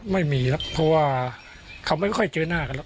ไม่มีครับเพราะว่าเขาไม่ค่อยเจอหน้ากันแล้ว